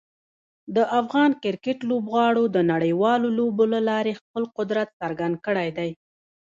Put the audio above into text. د افغان کرکټ لوبغاړو د نړیوالو لوبو له لارې خپل قدرت څرګند کړی دی.